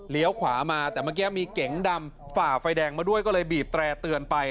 ขวามาแต่เมื่อกี้มีเก๋งดำฝ่าไฟแดงมาด้วยก็เลยบีบแตร่เตือนไป